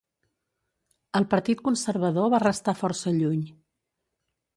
El Partit Conservador va restar força lluny.